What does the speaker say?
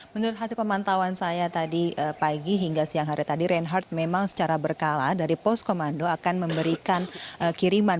menurut hasil pemantauan saya tadi pagi hingga siang hari tadi reinhardt memang secara berkala dari poskomando akan memberikan kiriman